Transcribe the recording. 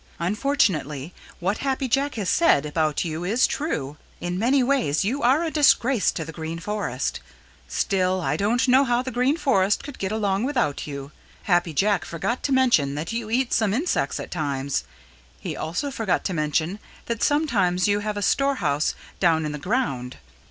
"Unfortunately, what Happy Jack has said about you is true. In many ways you are a disgrace to the Green Forest. Still I don't know how the Green Forest could get along without you. Happy Jack forgot to mention that you eat some insects at times. He also forgot to mention that sometimes you have a storehouse down in the ground.